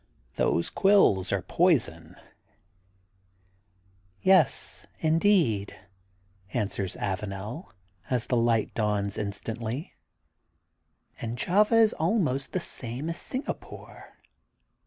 Those quills are poison/* Yes, indeed, answers Avanel as the light dawns instantly. And Java is almost the same as Singapore.